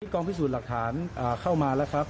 กองพิสูจน์หลักฐานเข้ามาแล้วครับ